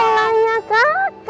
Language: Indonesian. ayo silahkan turun ade